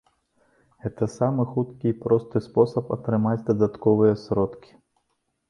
Гэта самы хуткі і просты спосаб атрымаць дадатковыя сродкі.